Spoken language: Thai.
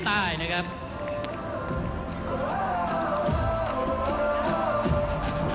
ท่านแรกครับจันทรุ่ม